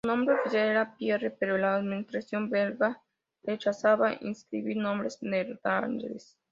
Su nombre oficial era "Pierre" pero la administración belga rechazaba inscribir nombres neerlandeses.